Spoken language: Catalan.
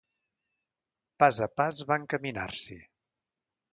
Pas a pas va encaminar-s'hi